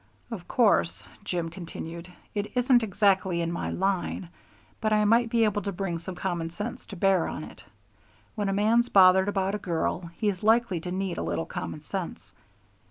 "Of course," Jim continued, "it isn't exactly in my line, but I might be able to bring some common sense to bear on it. When a man's bothered about a girl, he's likely to need a little common sense.